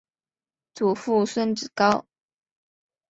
祖父孙子高。